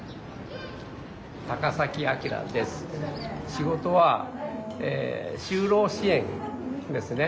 仕事は就労支援ですね。